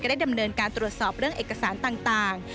ได้ดำเนินการตรวจสอบเรื่องเอกสารต่าง